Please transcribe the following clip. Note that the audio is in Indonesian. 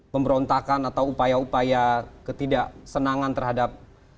pemberontakan atau upaya upaya ketidaksenangan terhadap